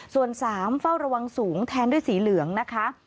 ส่วน๓เฝ้าระวังสูงแทนด้วยสีเหลืองนะคะ